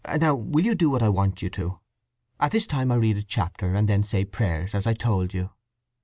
Now will you do what I want you to? At this time I read a chapter, and then say prayers, as I told you.